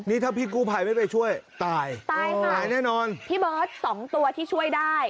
นี่ถ้าพี่กู้ภัยไม่ไปช่วยตายตายค่ะตายแน่นอนพี่เบิร์ตสองตัวที่ช่วยได้